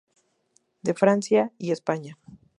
De Francia y España.